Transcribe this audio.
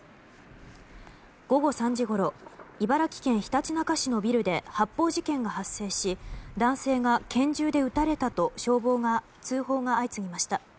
午後３時ごろ茨城県ひたちなか市のビルで発砲事件が発生し男性が拳銃で撃たれたと通報が相次ぎました。